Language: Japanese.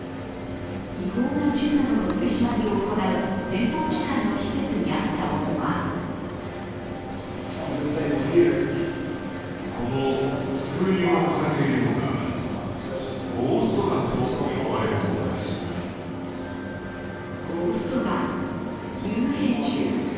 違法な銃などの取り締まりを行う連邦機関の施設にあったものはゴーストガン＝幽霊銃。